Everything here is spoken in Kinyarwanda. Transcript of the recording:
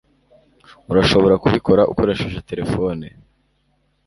urashobora kubikora ukoresheje terefone